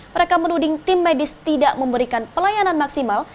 mereka menuding tim medis tidak memberikan pelayanan maksimal